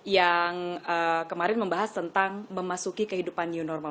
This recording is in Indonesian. yang kemarin membahas tentang memasuki kehidupan new normal